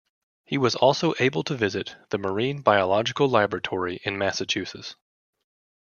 He was also able to visit the Marine Biological Laboratory in Massachusetts.